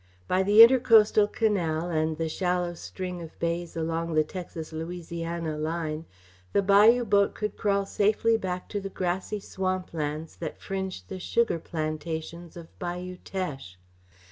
By the Intercoastal Canal and the shallow string of bays along the Texas Louisiana line, the bayou boat could crawl safely back to the grassy swamp lands that fringe the sugar plantations of Bayou Teche.